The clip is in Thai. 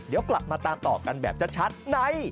เดี๋ยวกลับมาตามต่อกันแบบชัดใน